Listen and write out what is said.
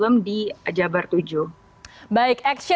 jadi saya tidak tahu